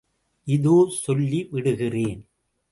இதோ சொல்லி விடுகிறேன்.